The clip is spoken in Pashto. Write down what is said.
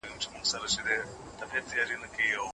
پرمختيا د ژوند د کچي د لوړوالي معنا لري.